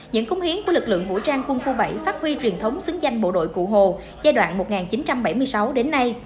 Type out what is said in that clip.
những công hiến của lực lượng vũ trang quân khu bảy phát huy truyền thống xứng danh bộ đội cụ hồ giai đoạn một nghìn chín trăm bảy mươi sáu đến nay